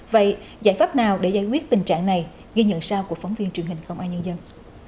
vậy giải pháp nào để giải quyết tình trạng này ghi nhận sau của phóng viên truyền hình công an nhân dân